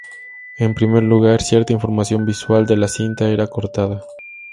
En primer lugar, cierta información visual de la cinta era cortada.